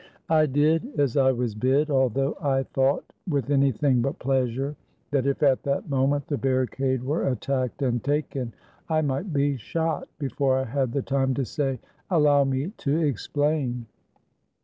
I did as I was bid, although I thought, with anything but pleasure, that if at that moment the barricade were attacked and taken, I might be shot before I had the time to say, "Allow me to explain."